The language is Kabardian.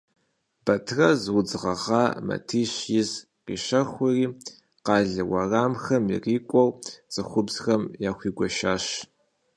Бэтрэз удз гъэгъа матищ из къищэхури, къалэ уэрамхэм ирикӏуэ цӏыхубзхэм яхуигуэшащ.